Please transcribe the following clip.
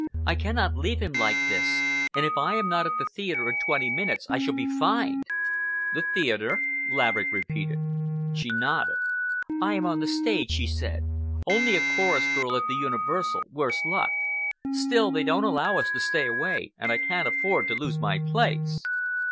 "I cannot leave him like this, and if I am not at the theatre in twenty minutes, I shall be fined." "The theatre?" Laverick repeated. She nodded. "I am on the stage," she said,—"only a chorus girl at the Universal, worse luck. Still, they don't allow us to stay away, and I can't afford to lose my place."